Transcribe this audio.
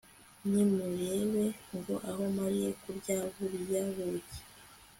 nimurebe ngo aho mariye kurya kuri buriya buki